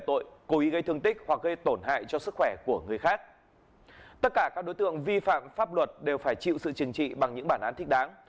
tất cả các đối tượng vi phạm pháp luật đều phải chịu sự chừng trị bằng những bản án thích đáng